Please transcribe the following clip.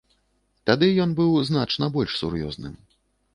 Тады ён быў значна больш сур'ёзным.